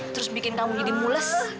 terus bikin tamu jadi mules